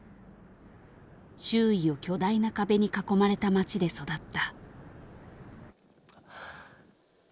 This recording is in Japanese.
周囲を巨大な壁に囲まれた街で育った。